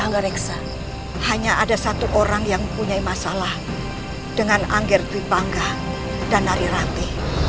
bolehkah aku meminta sesuatu yang berharga darimu